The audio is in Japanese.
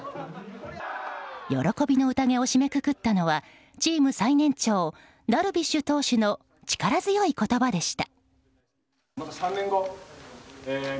喜びの宴を締めくくったのはチーム最年長ダルビッシュ投手の力強い言葉でした。